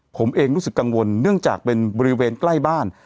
ผมเองรู้สึกกังวลเนื่องจากเป็นบริเวณใกล้บ้าน